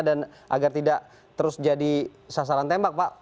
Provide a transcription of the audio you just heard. dan agar tidak terus jadi sasaran tembak pak